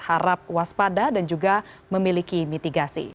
harap waspada dan juga memiliki mitigasi